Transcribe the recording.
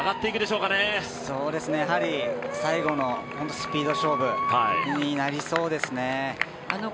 最後のスピード勝負になりそうですね。